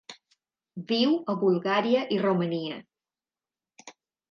Viu a Bulgària i Romania.